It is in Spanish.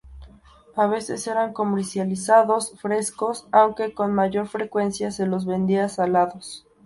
A veces eran comercializados frescos, aunque con mayor frecuencia se los vendía salados.